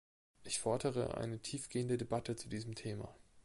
Ich fordere eine tiefgehende Debatte zu diesem Thema.